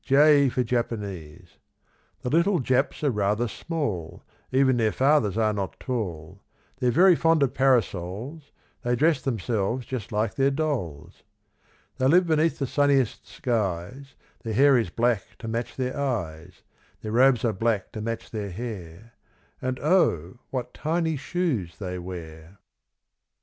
J for Japanese. The little Japs are rather small, Even their fathers are not tall; They're very fond of parasols, They dress themselves just like their dolls. They live beneath the sunniest skies, Their hair is black to match their eyes; Their robes are black to match their hair, And, O! what tiny shoes they wear.